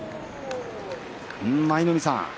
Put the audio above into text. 舞の海さん